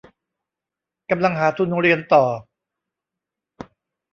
กำลังหาทุนเรียนต่อ